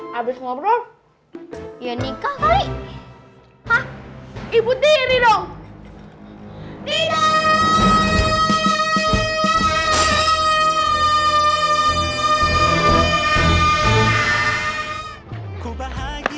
habis ngobrol ya nikah ali hah ibu diri dong iya